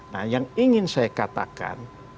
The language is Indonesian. nah yang ingin saya katakan